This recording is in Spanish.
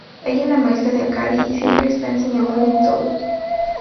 Ella es la maestra de Akari, y siempre está enseñándole en todo.